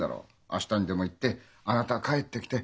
明日にでも行って「あなた帰ってきて。